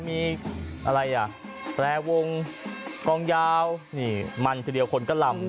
มีแปรวงกองยาวมันทีเดียวคนก็ลำ